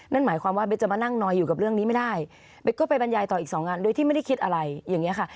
นั่นหมายความว่าเบสจะมานั่งนอยอยู่กับเรื่องนี้ไม่ได้เบสก็ไปบรรยายต่ออีกสองอันโดยที่ไม่ได้คิดอะไรอย่างนี้ค่ะ